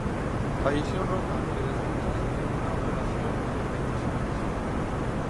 Falleció en Roma de resultas de una operación de apendicitis.